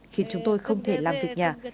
khiến chúng tôi không thể làm việc nhà